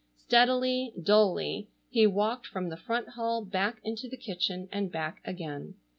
Steadily, dully, he walked from the front hall back into the kitchen and back again.